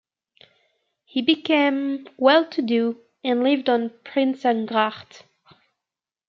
He became well-to-do and lived on Prinsengracht.